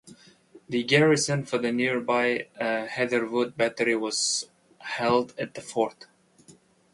The garrison for the nearby Hatherwood Battery was held at the fort.